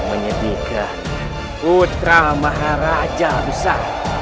dan menyebekan putra maharaja besar